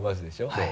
はい。